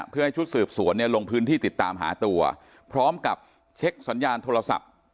เพื่อให้ชุดสืบสวนเนี่ยลงพื้นที่ติดตามหาตัวพร้อมกับเช็คสัญญาณโทรศัพท์